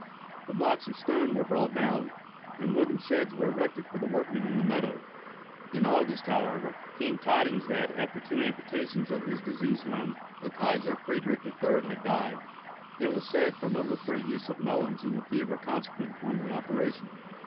The blocks of stone were brought down, and wooden sheds were erected for the workmen in the meadow. In August, however, came tidings that, after two amputations of his diseased limb, the Kaisar Friedrich III. had died—it was said from over free use of melons in the fever consequent on the operation.